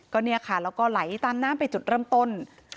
แล้วก็ไหลต่างน้ำไปจุดเริ่มต้น